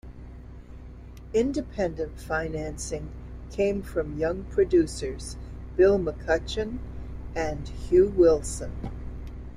Independent financing came from young producers, Bill McCutchen and Hugh Wilson.